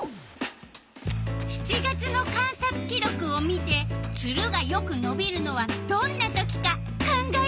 ７月の観察記録を見てツルがよくのびるのはどんな時か考えて！